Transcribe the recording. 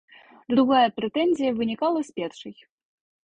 Другая прэтэнзія вынікала з першай.